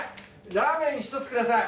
ラーメン１つください。